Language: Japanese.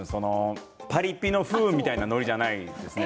パリピの風というノリじゃないですね。